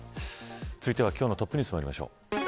続いては今日のトップニュースまいりましょう。